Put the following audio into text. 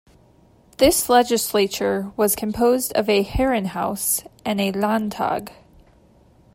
This legislature was composed of a "Herrenhaus" and a "Landtag.